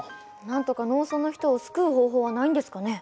なんとか農村の人を救う方法はないんですかね。